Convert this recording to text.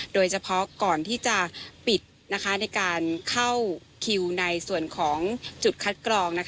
โดยเฉพาะก่อนที่จะปิดในการเข้าคิวในส่วนของจุดคัดกรอง